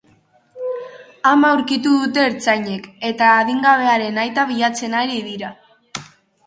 Ama aurkitu dute ertzainek eta adingabearen aita bilatzen ari dira.